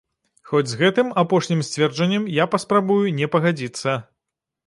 Хоць з гэтым, апошнім, сцвярджэннем я паспрабую не пагадзіцца.